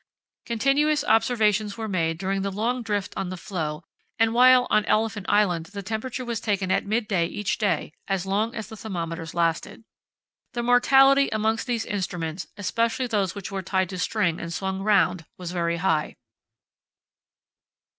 Continuous observations were made during the long drift on the floe and while on Elephant Island the temperature was taken at midday each day as long as the thermometers lasted. The mortality amongst these instruments, especially those which were tied to string and swung round, was very high.